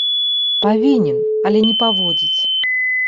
Павінен, але не паводзіць.